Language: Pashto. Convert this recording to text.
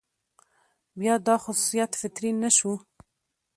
بيا دا خصوصيت فطري نه شو،